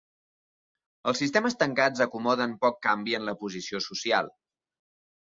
Els sistemes tancats acomoden poc canvi en la posició social.